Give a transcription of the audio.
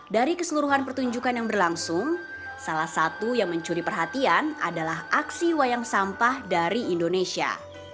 dari keseluruhan pertunjukan yang berlangsung salah satu yang mencuri perhatian adalah aksi wayang sampah dari indonesia